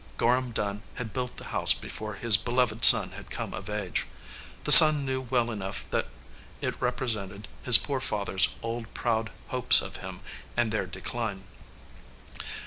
Gorham Dunn had built the house before his beloved son had come of age. The son knew well enough that it repre sented his poor father s old proud hopes of him and their decline.